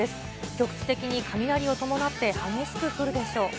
局地的に雷を伴って激しく降るでしょう。